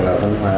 là văn hóa